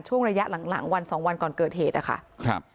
ช่วงระยะหลังหลังวันสองวันก่อนเกิดเหตุนะคะครับ